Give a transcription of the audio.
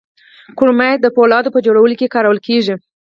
کرومایټ د فولادو په جوړولو کې کارول کیږي.